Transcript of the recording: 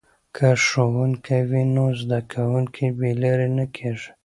که ښوونکی وي نو زده کوونکي بې لارې نه کیږي.